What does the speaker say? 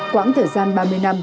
quảng thời gian ba mươi năm